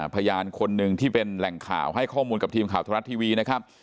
พยานคนหนึ่งที่เป็นแหล่งข่าวให้ข้อมูลกับทีมข่าวธรรมรัฐทีวีนะครับ